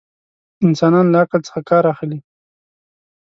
انسانان له عقل څخه ڪار اخلي.